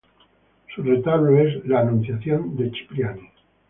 Su retablo es la "Anunciación" de Cipriani.